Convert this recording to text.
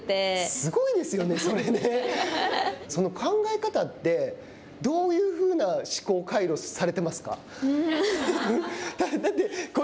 すごいですよねその考え方ってどういうふうな思考回路されてますか？